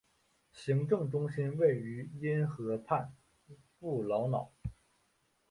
行政中心位于因河畔布劳瑙。